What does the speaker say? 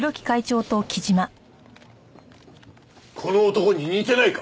この男に似てないか？